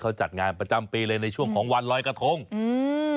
เขาจัดงานประจำปีเลยในช่วงของวันลอยกระทงอืม